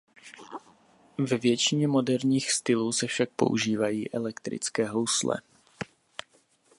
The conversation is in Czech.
Ve většině moderních stylů se však používají elektrické housle.